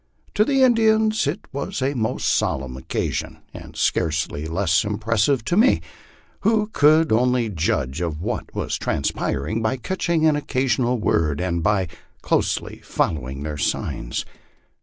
To the Indians it was a most solemn occasion, and scarcely less impressive to me, who could only judge of what was transpiring by catching an occasional word, and by closely following their signs.